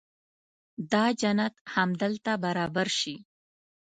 دا جنت همدلته برابر شي.